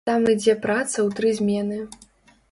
Там ідзе праца ў тры змены.